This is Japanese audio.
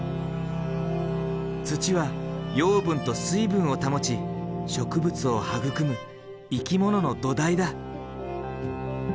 土は養分と水分を保ち植物を育む生き物の土台だ。